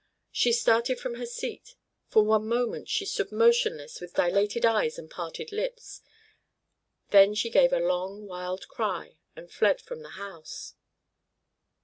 She started from her seat, for one moment she stood motionless with dilated eyes and parted lips, then she gave a long wild cry and fled from the house.